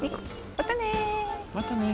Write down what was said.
またね。